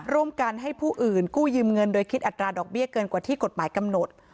ร่วมกันให้ผู้อื่นกู้ยืมเงินโดยคิดอัตราดอกเบี้ยเกินกว่าที่กฎหมายกำหนด